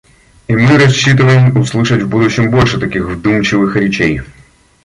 И мы рассчитываем услышать в будущем больше таких вдумчивых речей.